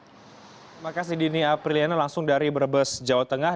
terima kasih dini apriliana langsung dari brebes jawa tengah